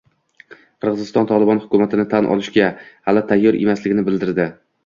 Qirg‘iziston Tolibon hukumatini tan olishga hali tayyor emasligini bildirdi